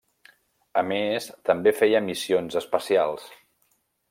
A més, també feia missions especials.